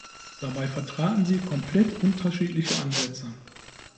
Dabei vertraten sie komplett unterschiedliche Ansätze.